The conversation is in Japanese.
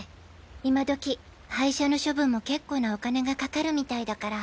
今どき廃車の処分も結構なお金がかかるみたいだから。